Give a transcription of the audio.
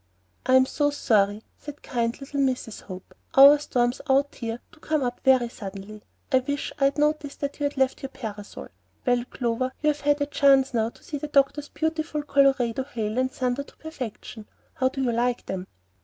"I am so sorry," said kind little Mrs. Hope. "Our storms out here do come up very suddenly. I wish I had noticed that you had left your parasol. Well, Clover, you've had a chance now to see the doctor's beautiful Colorado hail and thunder to perfection. How do you like them?"